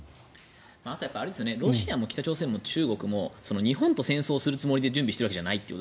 あとはロシアも北朝鮮も中国も日本と戦争するつもりで準備しているわけじゃないと。